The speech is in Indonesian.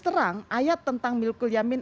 terang ayat tentang milkul yamin